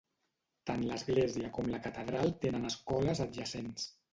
Tant l'església com la catedral tenen escoles adjacents.